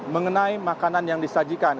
mengenai makanan yang disajikan